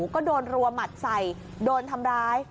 ก็โดนรัวหมัดใส่โดนทำร้าย